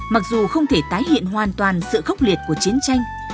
mặc dù không thể tái hiện hoàn toàn sự khốc liệt của chiến tranh